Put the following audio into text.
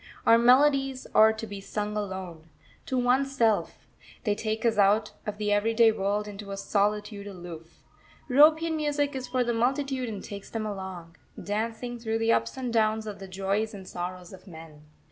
Our melodies are to be sung alone, to oneself; they take us out of the everyday world into a solitude aloof. European Music is for the multitude and takes them along, dancing, through the ups and downs of the joys and sorrows of men.